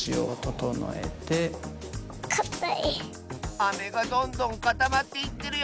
アメがどんどんかたまっていってるよ！